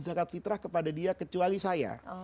zakat fitrah kepada dia kecuali saya